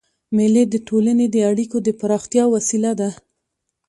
مېلې د ټولني د اړیکو د پراختیا وسیله ده.